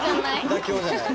妥協じゃない。